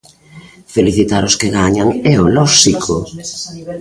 Felicitar os que gañan, ¡é o lóxico!